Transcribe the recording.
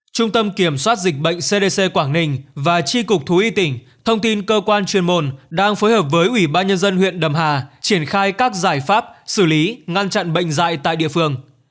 trung tâm kiểm soát dịch bệnh cdc quảng ninh và tri cục thú y tỉnh thông tin cơ quan chuyên môn đang phối hợp với ủy ban nhân dân huyện đầm hà triển khai các giải pháp xử lý ngăn chặn bệnh dạy tại địa phương